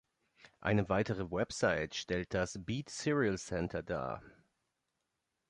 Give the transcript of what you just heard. Eine weitere Website stellt das "Beat Serial-Center" dar.